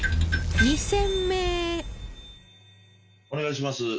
お願いします。